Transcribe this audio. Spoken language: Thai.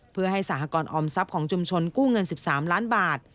เพื่อให้สหกรออมทรัพย์ของชุมชนกู้เงิน๑๓ล้านบาท